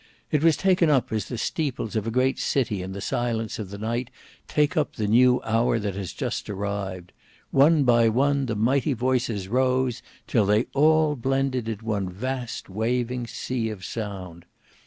It was taken up as the steeples of a great city in the silence of the night take up the new hour that has just arrived; one by one the mighty voices rose till they all blended in one vast waving sea of sound.